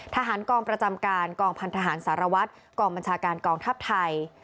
ทหารกองประจำการกองพันธหารสารวัตรกองบัญชาการกองทัพไทย